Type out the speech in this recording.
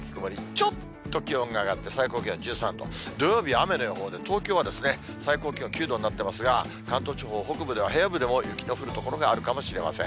ちょっと気温が上がって、最高気温１３度、土曜日、雨の予報で、東京は最高気温９度になってますが、関東地方、北部では、平野部でも、雪の降る所があるかもしれません。